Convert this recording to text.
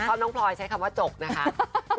ครอบน้องพลอยใช้คำว่าจกนะครับ